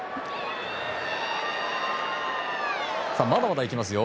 まだまだ行きますよ。